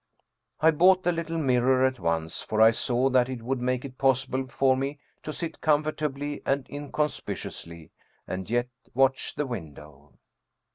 I bought the little mirror at once, for I saw that it would make it possible for me to sit comfortably and inconspicu ously, and yet watch the window.